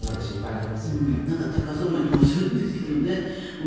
なんか、高そうな気もするんですけどね。